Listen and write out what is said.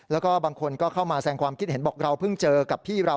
แล้วก็บางคนก็เข้ามาแสงความคิดเห็นบอกเราเพิ่งเจอกับพี่เรา